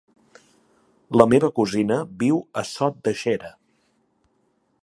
La meva cosina viu a Sot de Xera.